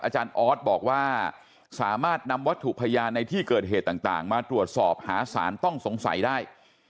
อาจารย์ออสบอกว่าสามารถนำวัตถุพยานในที่เกิดเหตุต่างมาตรวจสอบหาสารต้องสงสัยได้